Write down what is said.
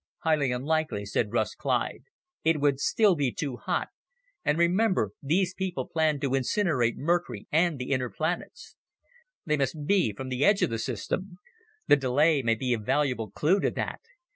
"Highly unlikely," said Russ Clyde. "It would still be too hot, and, remember, these people plan to incinerate Mercury and the inner planets. They must be from the edge of the system. The delay may be a valuable clue to that.